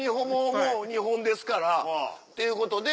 もう２本ですからっていうことで。